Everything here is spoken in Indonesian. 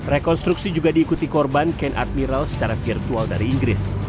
rekonstruksi juga diikuti korban ken admiral secara virtual dari inggris